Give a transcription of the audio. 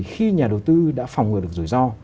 khi nhà đầu tư đã phòng ngừa được rủi ro